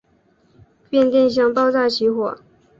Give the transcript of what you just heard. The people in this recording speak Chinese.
变电箱爆炸起火。